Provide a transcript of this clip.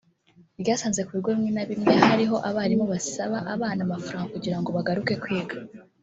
ryasanze ku bigo bimwe na bimwe hari aho abarimu basaba abana amafaranga kugira ngo bagaruke kwiga